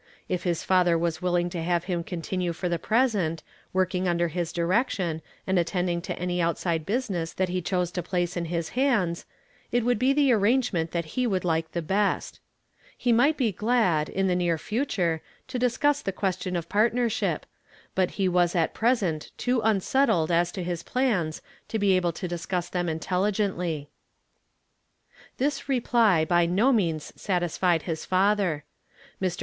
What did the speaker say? If his father Avas willing to have him contmue for the present, working under his direction, and attend ing to any outside business that he chose to place in liis hands, it would be the arrangement that he would like the best. He might be glad, in the near future, to discuss the question of })artnei"sliip ; but he was at present too unsettled as to his plans to be able to discuss them intelligently. This reply by no means satisfied his fatlier. Mr.